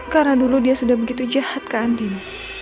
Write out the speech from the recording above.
karena dulu dia sudah begitu jahat ke andin